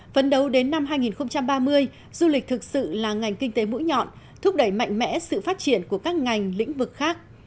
phấn đấu đến năm hai nghìn ba mươi du lịch thực sự là ngành kinh tế mũi nhọn thúc đẩy mạnh mẽ sự phát triển của các ngành lĩnh vực khác